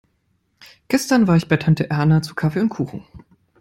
Gestern war ich bei Tante Erna zu Kaffee und Kuchen.